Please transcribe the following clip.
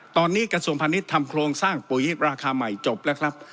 ตอนนี้กระทรวงพาณิชย์ทำโครงสร้างปุ๋ยราคาใหม่จบแล้วครับ